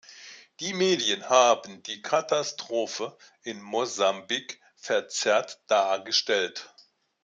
Die Medien haben die Katastrophe in Mosambik verzerrt dargestellt.